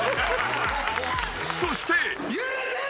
［そして］